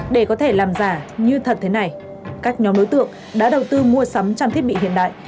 để có thể làm giả như thật thế này các nhóm đối tượng đã đầu tư mua sắm trang thiết bị hiện đại